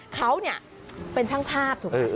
เขาเนี่ยเป็นช่างภาพถูกไหม